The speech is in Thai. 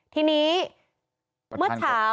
ทีนี้เมื่อเช้า